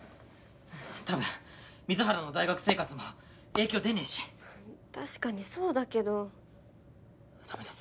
たぶん水原の大学生活も影響出ねぇし確かにそうだけどダメだ